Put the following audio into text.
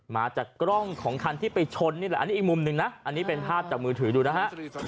มาจากกล้องของคันที่ไปชนนี่แหละอันนี้อีกมุมหนึ่งนะอันนี้เป็นภาพจากมือถือดูนะฮะ